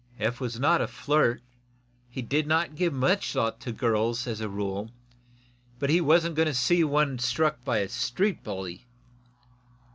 Eph was not a flirt. He did not give much thought to girls, as a rule, but he wasn't going to see one struck by a street bully.